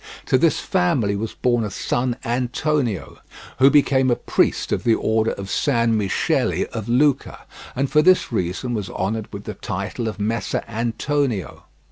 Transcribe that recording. To this family was born a son Antonio, who became a priest of the order of San Michele of Lucca, and for this reason was honoured with the title of Messer Antonio.